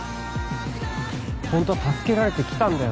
ホントは助けられてきたんだよ